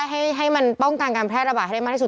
ให้มันป้องกันการแพร่ระบาดให้ได้มากที่สุด